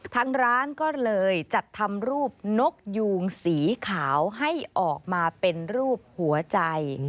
ทางร้านก็เลยจัดทำรูปนกยูงสีขาวให้ออกมาเป็นรูปหัวใจ